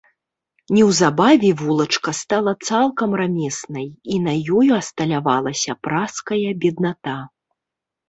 Неўзабаве вулачка стала цалкам рамеснай, і на ёй асталявалася пражская бедната.